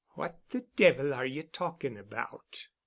"What the devil are ye talking about?"